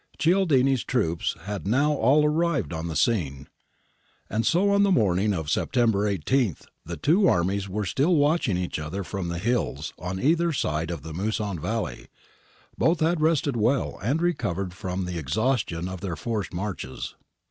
Cialdini's troops had now all arrived upon the scene.. And so on the morning of September 18 the two armies were still watching each other from the hills on either side of the Musone valley ; both had rested well and recovered from the exhaustion of their forced marches.